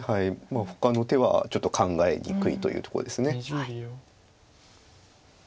ほかの手はちょっと考えにくいというとこです。